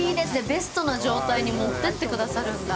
ベストな状態に持ってってくださるんだ。